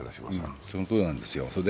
そのとおりなんですよ。